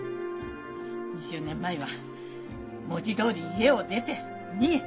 ２０年前は文字どおり家を出て逃げて。